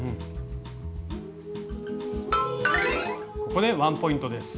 ここでワンポイントです。